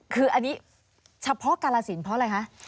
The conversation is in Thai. คืออันนี้เฉพาะกาลสินเพราะอะไรคะ